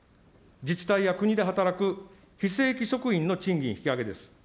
自治体や国で働く非正規職員の賃金引き上げです。